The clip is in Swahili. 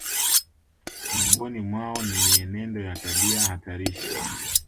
Miongoni mwao ni mienendo ya tabia hatarishi